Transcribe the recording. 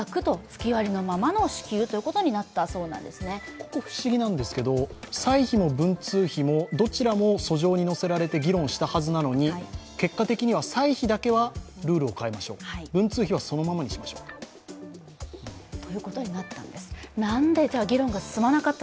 ここ不思議なんですけど歳費も文通費もそじょぅに載せられて議論したはずなのに結果的には歳費だけはルールを変えましょう文通費はそのままにしましょうと。